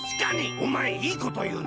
おまえいいこというな。